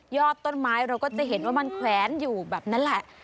ต้นไม้เราก็จะเห็นว่ามันแขวนอยู่แบบนั้นแหละ